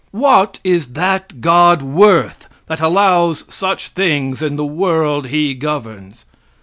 What is that God worth that allows such things in the world He governs?